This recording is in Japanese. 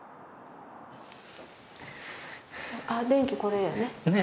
あ電気これやね。